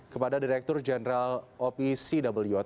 kepada direktur jenderal opi